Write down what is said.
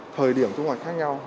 thời điểm thu hoạch khác nhau